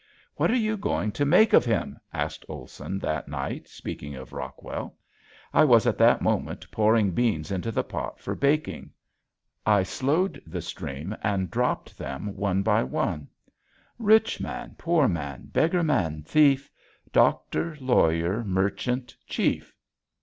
"What are you going to make of him?" asked Olson that night speaking of Rockwell. I was at that moment pouring beans into the pot for baking. I slowed the stream and dropped them one by one: "'Rich man, poor man, beggar man, thief, Doctor, lawyer, merchant, chief.'